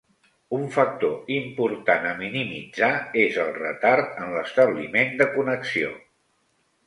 Un factor important a minimitzar és el retard en l'establiment de connexió.